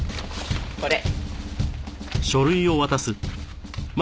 これ。